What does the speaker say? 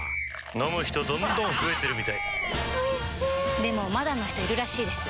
飲む人どんどん増えてるみたいおいしでもまだの人いるらしいですよ